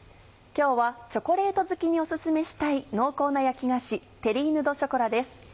今日はチョコレート好きにお薦めしたい濃厚な焼き菓子「テリーヌドショコラ」です。